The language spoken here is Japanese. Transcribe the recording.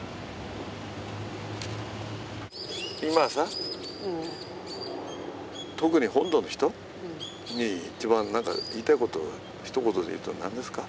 今さ、特に本土の人に一番言いたいこと一言で言うと、何ですか？